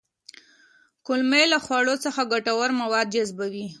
کولمې له خوړو څخه ګټور مواد جذبوي